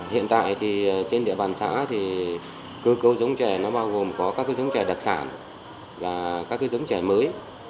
hiện tại thì trên địa bàn xã thì cơ cấu giống chè nó bao gồm có các cái giống chè đặc sản và các cái giống chè mới